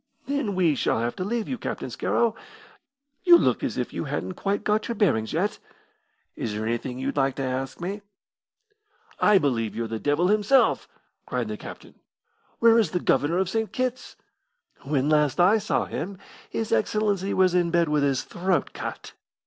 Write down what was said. "Then we shall have to leave you, Captain Scarrow. You look as if you hadn't quite got your bearings yet. Is there anything you'd like to ask me?" "I believe you're the devil himself!" cried the captain. "Where is the Governor of St. Kitt's?" "When last I saw him his Excellency was in bed with his throat cut.